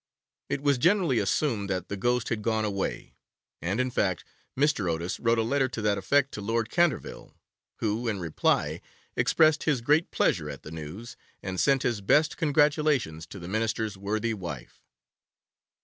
It was generally assumed that the ghost had gone away, and, in fact, Mr. Otis wrote a letter to that effect to Lord Canterville, who, in reply, expressed his great pleasure at the news, and sent his best congratulations to the Minister's worthy wife.